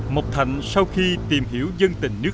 một thành sau khi tìm hiểu dân tình nước